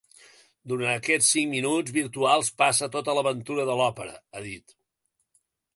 Durant aquests cinc minuts virtuals passa tota l’aventura de l’òpera, ha dit.